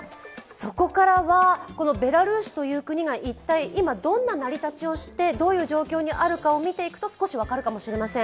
そこからはベラルーシという国が一体今、どんな成り立ちをしていてどういう状況にあるかを見ていくと少し分かるかもしれません。